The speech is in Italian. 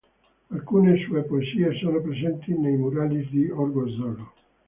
Alcune sue poesie sono presenti nei murales di Orgosolo.